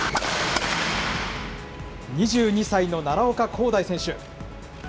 ２２歳の奈良岡功大選手。